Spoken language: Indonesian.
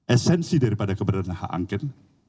esensi daripada keberadaan hak angket